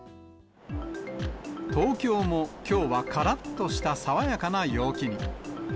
東京も、きょうはからっとした爽やかな陽気に。